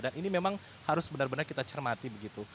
dan ini memang harus benar benar kita cermati begitu